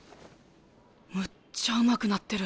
むっちゃうまくなってる。